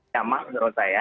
sama menurut saya